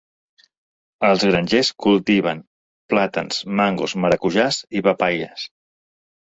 Els grangers cultiven plàtans, mangos, maracujàs i papaies.